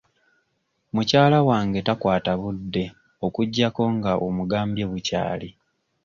Mukyala wange takwata budde okuggyako nga omugambye bukyali.